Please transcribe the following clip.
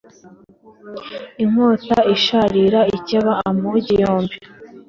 Inkota isharira ikebera amugi yombi